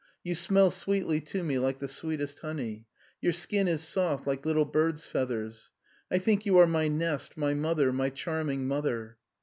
You smell sweetly to me like the sweetest honey. Your skin is soft like little birds' feathers. I think you are my nest, my mother, my charming mother."